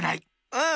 うん！